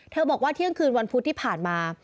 บอกว่าเที่ยงคืนวันพุธที่ผ่านมา